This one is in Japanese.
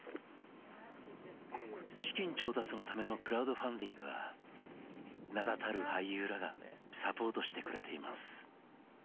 資金調達のためのクラウドファンディングは名だたる俳優らがサポートしてくれています。